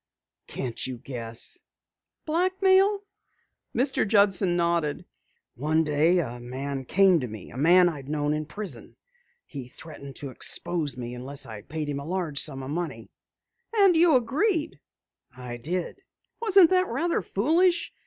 "Can't you guess?" "Blackmail?" Mr. Judson nodded. "One day a man came to me, a man I had known in prison. He threatened to expose me unless I paid him a large sum of money." "And you agreed?" "I did." "Wasn't that rather foolish?